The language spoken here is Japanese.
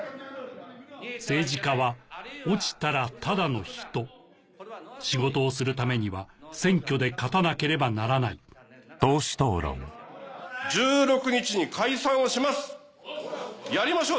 政治家は落ちたらただの人仕事をするためには選挙で勝たなければならないやりましょう！